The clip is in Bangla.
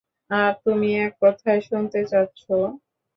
আর তুমি এক কথায় শুনতে চাচ্ছো?